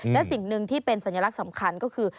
และสิ่งหนึ่งที่เป็นสัญลักษณ์สำคัญก็คือ